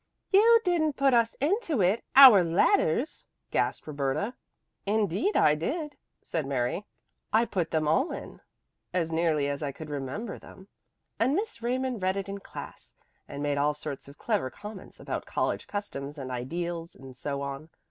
"You didn't put us into it our letters!" gasped Roberta. "Indeed I did," said Mary. "I put them all in, as nearly as I could remember them, and Miss Raymond read it in class, and made all sorts of clever comments about college customs and ideals and so on.